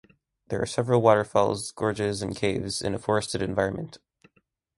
There are several waterfalls, gorges and caves in a forested environment.